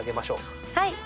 はい。